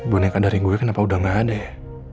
boneka daring gue kenapa udah gak ada ya